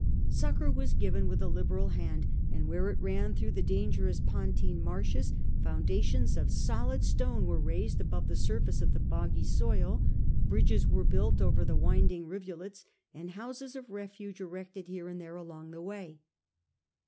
Succour was given with a liberal hand, and where it ran through the dangerous Pontine marshes, foundations of solid stone were raised above the surface of the boggy soil, bridges were built over the winding rivulets, and houses of refuge erected here and there along the way.